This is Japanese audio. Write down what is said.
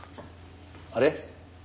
あれ？